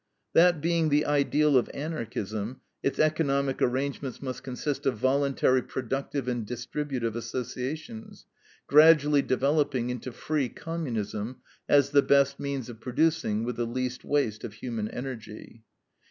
That being the ideal of Anarchism, its economic arrangements must consist of voluntary productive and distributive associations, gradually developing into free communism, as the best means of producing with the least waste of human energy.